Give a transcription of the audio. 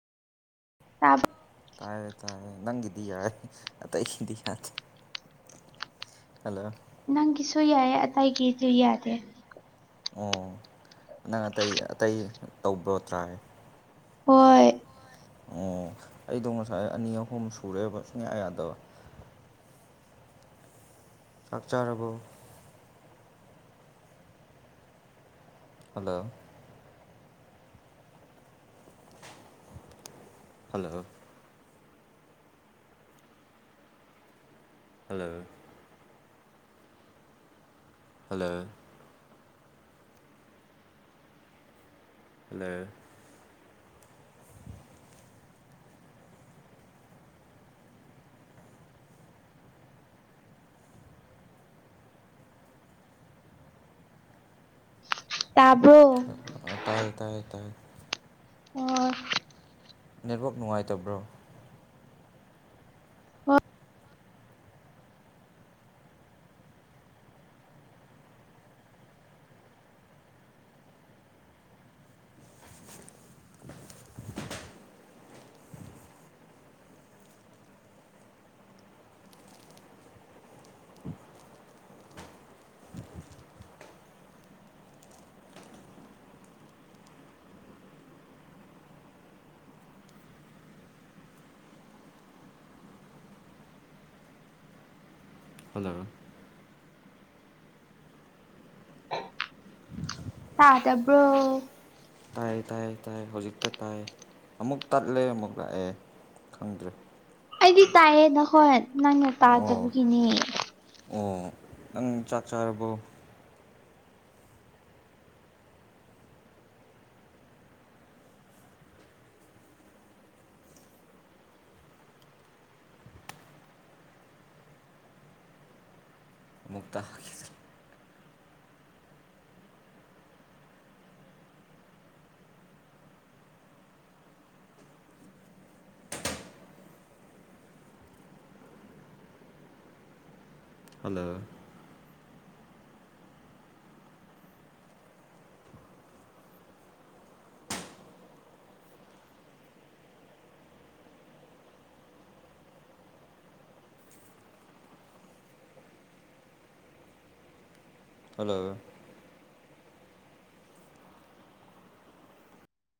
[unintelligible] ꯇꯥꯏꯌꯦ ꯇꯥꯏꯌꯦ ꯅꯪꯒꯤꯗꯤ ꯌꯥꯔ ꯑꯇꯩꯒꯤꯗꯤ ꯌꯥꯗꯦ ꯍꯜꯂꯣ ꯅꯪꯒꯤꯁꯨ ꯌꯥꯏꯌꯦ ꯑꯇꯩꯒꯤꯁꯨ ꯌꯥꯗꯦ ꯑꯣ ꯅꯪ ꯑꯇꯩ ꯑꯇꯩ ꯇꯧꯕ꯭ꯔꯣ ꯇ꯭ꯔꯥꯏ ꯍꯣꯏ ꯑꯣ ꯑꯩꯗꯣ ꯉꯁꯥꯏ ꯑꯅꯤ ꯑꯍꯨꯝ ꯁꯨꯔꯦꯕ ꯁꯨꯡꯌꯥ ꯌꯥꯗꯕ ꯆꯥꯛ ꯆꯥꯔꯕꯣ hello hello hello hello hello ꯇꯥꯕ꯭ꯔꯣ ꯑ ꯇꯥꯏꯌꯦ ꯇꯥꯥꯏꯌꯦ ꯇꯥꯏꯌꯦ ꯑꯣꯝ ꯅꯦꯠꯋꯥꯛ ꯅꯨꯡꯉꯥꯏꯇꯕ꯭ꯔꯣ ꯍꯣ [unintelligible] [inaudible] ꯍꯜꯂꯣ ꯇꯥꯗꯕ꯭ꯔꯣ? ꯇꯥꯏ ꯇꯥꯏ ꯇꯥꯏ ꯍꯧꯖꯤꯛꯇ ꯇꯥꯏ ꯑꯃꯨꯛ ꯇꯠꯂꯦ ꯑꯃꯨꯛ ꯂꯥꯛꯑꯦ ꯈꯪꯗ꯭ꯔꯦ꯫ ꯑꯩꯗꯤ ꯇꯥꯌꯦ ꯅꯍꯣꯟ ꯅꯪꯅ ꯑꯣ ꯇꯥꯗꯕꯒꯤꯅꯤ꯫ ꯑꯣ ꯎꯝ ꯆꯥꯛ ꯆꯥꯔꯕꯣ? ꯑꯃꯨꯛꯇ ꯍꯜꯂꯣ ꯍꯜꯂꯣ